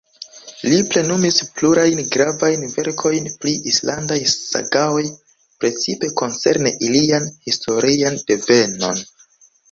Li plenumis plurajn gravajn verkojn pri islandaj sagaoj, precipe koncerne ilian historian devenon.